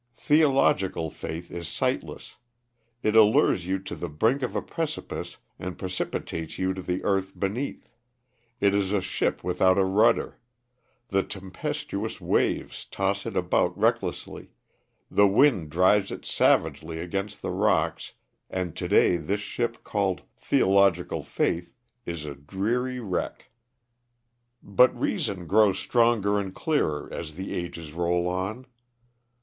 Theological faith is sightless. It allures you to the brink of a precipice and precipitates you to the earth beneath. It is a ship without a rudder; the tempestuous waves toss it about recklessly, the wind drives it savagely against the rocks, and to day this ship called "Theological Faith" is a dreary wreck. But reason grows stronger and clearer as the ages roll on.